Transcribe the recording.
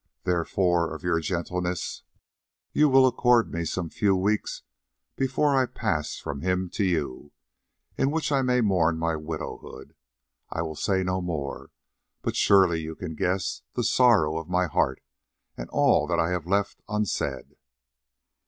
Therefore of your gentleness, you will accord me some few weeks before I pass from him to you, in which I may mourn my widowhood. I will say no more, but surely you can guess the sorrow of my heart, and all that I have left unsaid."